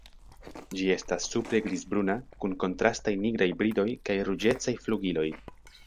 Ĝi estas supre grizbruna kun kontrastaj nigraj bridoj kaj ruĝecaj flugiloj.